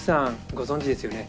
ご存じですよね。